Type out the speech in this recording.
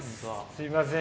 すいません